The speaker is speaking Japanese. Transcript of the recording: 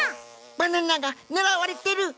バナナがねらわれてる！